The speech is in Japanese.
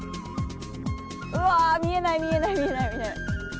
うわー見えない見えない！